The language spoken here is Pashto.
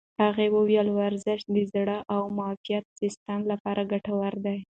هغې وویل ورزش د زړه او معافیت سیستم لپاره ګټور دی.